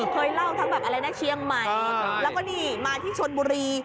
เคยเล่าทั้งแบบอะไรนะเชียงใหม่แล้วก็นี่มาที่ชนบุรี